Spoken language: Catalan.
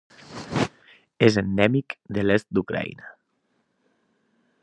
És endèmic de l'est d'Ucraïna.